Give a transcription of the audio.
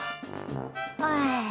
ああ。